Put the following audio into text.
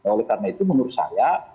oleh karena itu menurut saya